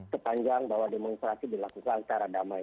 sepanjang bahwa demonstrasi dilakukan secara damai